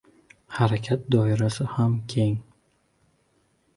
Harakat doirasi ham keng.